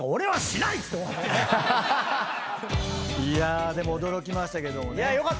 いやでも驚きましたけどもね。